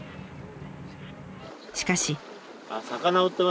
しかし。